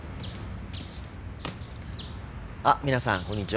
あ皆さんこんにちは。